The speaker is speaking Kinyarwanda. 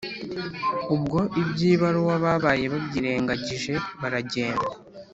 ubwo ibyibaruwa babaye babyirengagije baragenda